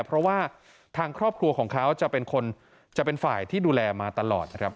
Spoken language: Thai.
เพราะว่าทางครอบครัวของเขาจะเป็นคนจะเป็นฝ่ายที่ดูแลมาตลอดนะครับ